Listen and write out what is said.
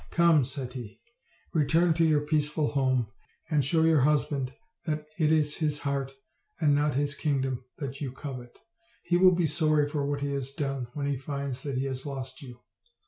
"Come," said he, "return to your peaceful home, and show your husband that it is his heart, and not his king dom, that you covet. He will be sorry for what he has done when he finds that he has lost you."